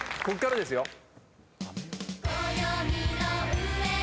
こっからですよ。